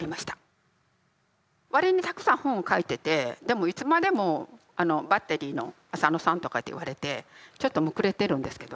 割にたくさん本を書いててでもいつまでも「バッテリー」のあさのさんとかって言われてちょっとむくれてるんですけど。